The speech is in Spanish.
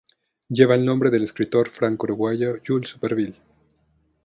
Lleva el nombre del escritor franco uruguayo Jules Supervielle.